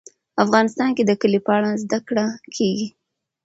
افغانستان کې د کلي په اړه زده کړه کېږي.